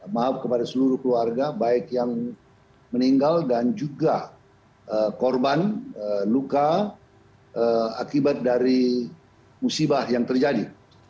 maaf kepada seluruh keluarga baik yang meninggal dan juga korban luka akibat dari musibah yang terjadi